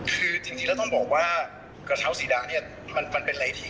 คือจริงแล้วต้องบอกว่ากระเท้าสีดาเนี่ยมันเป็นอะไรที่